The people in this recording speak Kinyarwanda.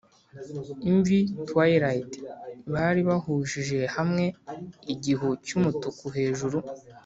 -imvi-twilight bari bahujije hamwe igihu cyumutuku hejuru